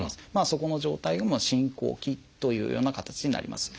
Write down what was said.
そこの状態が進行期というような形になります。